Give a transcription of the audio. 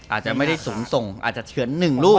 อาจจะไม่ได้สูงส่งอาจจะเฉือน๑ลูก